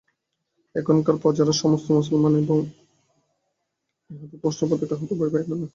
এখানকার প্রজারা সমস্তই মুসলমান এবং ইহাদের প্রধান ফরুসর্দার কাহাকেও ভয় করে না।